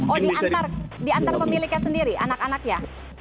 oh diantar pemiliknya sendiri anak anaknya